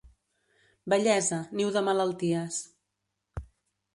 Vellesa, niu de malalties.